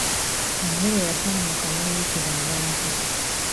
Emmere yasammuka n'eyikira abantu.